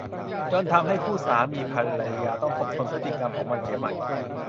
จนทำให้คู่สามีภรรยาต้องทบทวนพฤติกรรมของมันเสียใหม่